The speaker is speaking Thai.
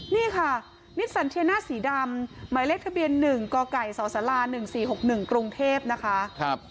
นี่ค่ะนิสสันเทียน่าสีดำหมายเลขทะเบียน๑กไก่สศ๑๔๖๑กรุงเทพนะคะ